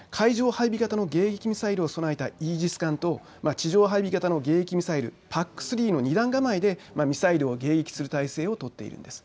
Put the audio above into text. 海上配備型の迎撃ミサイルを備えたイージス艦の地上配備型の迎撃ミサイル、ＰＡＣ３の２段構えでミサイルを迎撃する構えを取っています。